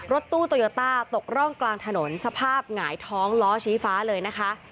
รถตู้โตโยต้าตกร่องกลางถนนสภาพหงายท้องล้อชี้ฟ้าเลยนะคะ